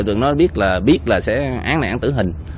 bố tượng nói biết là sẽ án nạn tử hình